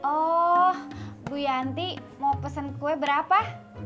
oh bu yanti mau pesen kue berapa